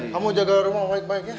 kamu jaga rumah baik baik ya